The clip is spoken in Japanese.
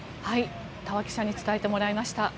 峠記者に伝えてもらいました。